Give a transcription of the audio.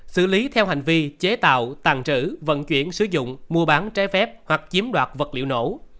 xử lý theo hành vi chế tạo tàn trữ vận chuyển sử dụng mua bán trái phép hoặc chiếm đoạt vật liệu nổ